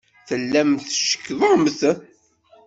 Tellamt tcekkḍemt.